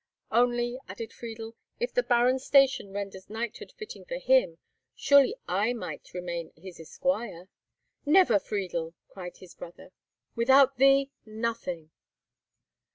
"Only," added Friedel, "if the Baron's station renders knighthood fitting for him, surely I might remain his esquire." "Never, Friedel!" cried his brother. "Without thee, nothing."